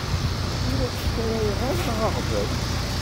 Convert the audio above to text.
Ur as-skaray ara aɣbel.